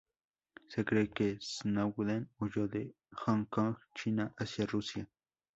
Se cree que Snowden huyó de Hong Kong, China, hacia Rusia.